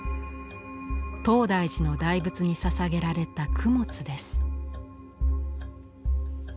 東大寺の大仏にささげられた供物です。